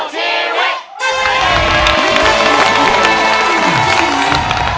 สู่ชีวิต